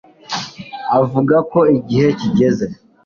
avuga ko igihe kigeze